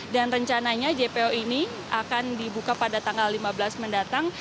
dan rencananya jpo ini akan dibuka pada tanggal lima belas mendatang